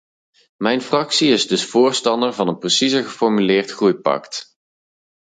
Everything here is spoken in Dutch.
Mijn fractie is dus voorstander van een preciezer geformuleerd groeipact.